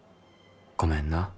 ごめんな」。